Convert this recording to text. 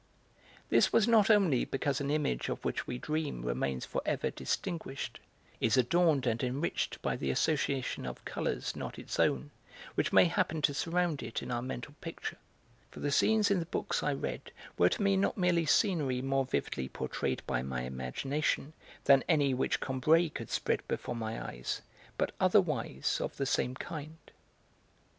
This was not only because an image of which we dream remains for ever distinguished, is adorned and enriched by the association of colours not its own which may happen to surround it in our mental picture; for the scenes in the books I read were to me not merely scenery more vividly portrayed by my imagination than any which Combray could spread before my eyes but otherwise of the same kind.